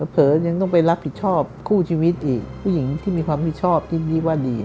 เผลอยังต้องไปรับผิดชอบคู่ชีวิตอีกผู้หญิงที่มีความผิดชอบที่ว่าดี